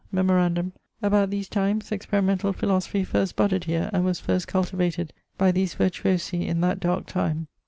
Memorandum: about these times experimentall philosophy first budded here and was first cultivated by these vertuosi in that darke time.